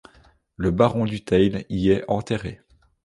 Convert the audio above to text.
Le baron du Teil y est enterré.